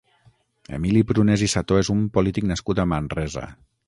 Emili Prunés i Sató és un polític nascut a Manresa.